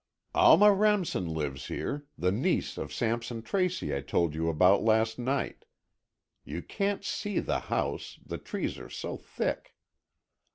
"Alma Remsen lives here, the niece of Sampson Tracy I told you about last night. You can't see the house, the trees are so thick."